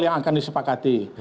yang akan disepakati